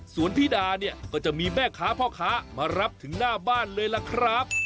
ส่วนพี่ดาเนี่ยก็จะมีแม่ค้าพ่อค้ามารับถึงหน้าบ้านเลยล่ะครับ